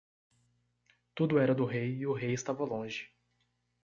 Tudo era do rei e o rei estava longe.